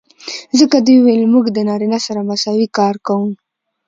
ځکه دوي وويل چې موږ د نارينه سره مساوي کار کو.